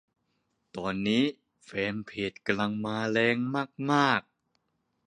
ตอนนี้แฟนเพจ กำลังมาแรงมาก